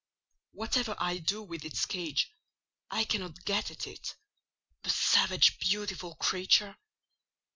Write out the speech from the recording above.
Whatever I do with its cage, I cannot get at it—the savage, beautiful creature!